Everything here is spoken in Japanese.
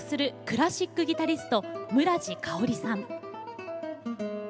クラシックギタリスト村治佳織さん。